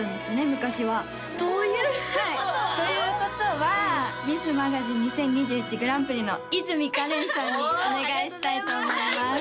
昔はということはということはミスマガジン２０２１グランプリの和泉芳怜さんにお願いしたいと思います